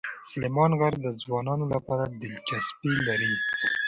سلیمان غر د ځوانانو لپاره دلچسپي لري.